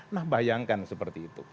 nah bayangkan seperti itu